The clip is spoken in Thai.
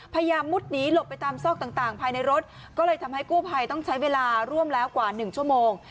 มุดหนีหลบไปตามซอกต่างภายในรถก็เลยทำให้กู้ภัยต้องใช้เวลาร่วมแล้วกว่า๑ชั่วโมง